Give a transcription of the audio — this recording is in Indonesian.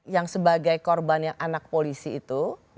yang sebagai korbannya anak polisi itu